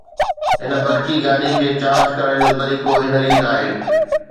هن برقي گاڏي کي چارج ڪرڻ جو طريقو هن ريت آهي